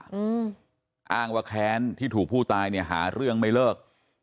อืมอ้างว่าแค้นที่ถูกผู้ตายเนี่ยหาเรื่องไม่เลิก